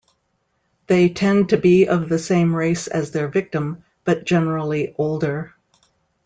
They tend to be of the same race as their victim, but generally older.